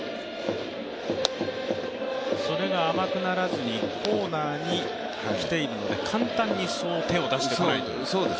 それが甘くならずにコーナーに来ている、簡単にそう手を出してこない。